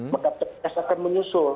maka pks akan menyusul